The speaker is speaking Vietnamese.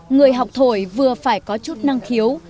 người học thổi vừa phải có chút năng khiếu